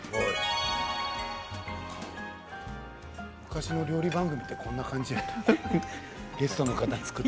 昔の料理番組ってこんな感じだったよね。